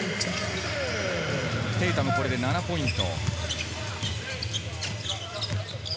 テイタム、これで７ポイント。